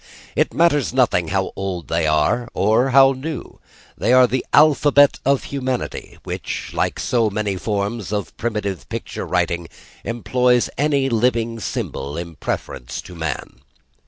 It matters nothing how old they are, or how new; they are the alphabet of humanity, which like so many forms of primitive picture writing employs any living symbol in preference to man.